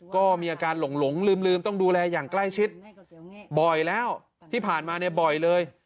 ก็มีอาการหลงลืมต้องดูแลอย่างใกล้ชิดบ่อยแล้วที่ผ่านมาเนี่ยบ่อยเลย